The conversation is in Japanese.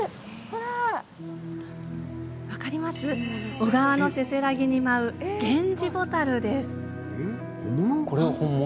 小川のせせらぎに舞うゲンジボタルです。